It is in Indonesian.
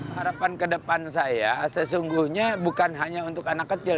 harapan kedepan saya sesungguhnya bukan hanya untuk anak kecil